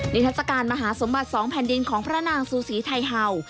ทัศกาลมหาสมบัติ๒แผ่นดินของพระนางซูสีไทยเห่า